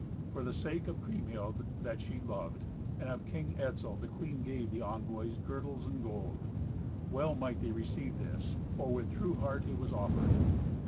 For the sake of Kriemhild, that she loved, and of King Etzel, the queen gave the envoys girdles and gold. Well might they receive this, for with true heart it was offered.